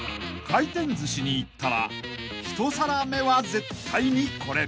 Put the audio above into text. ［回転寿司に言ったら１皿目は絶対にこれ］